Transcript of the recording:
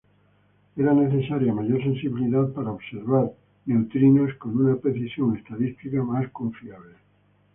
Era necesaria mayor sensibilidad para observar neutrinos con una precisión estadística más confiable.